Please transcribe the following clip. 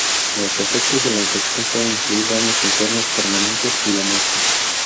Los efectos de la ingestión pueden incluir daños internos permanentes y la muerte.